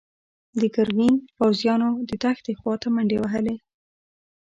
د ګرګين پوځيانو د دښتې خواته منډې وهلي.